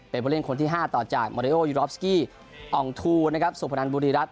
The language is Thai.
เป็นผู้เล่นคนที่๕ต่อจากมาริโอยูรอฟสกี้อ่องทูนะครับสุพนันบุรีรัต